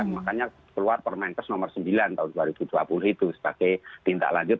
makanya keluar permenkes nomor sembilan tahun dua ribu dua puluh itu sebagai tindak lanjut